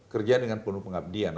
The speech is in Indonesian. kerja dengan penuh pengabdian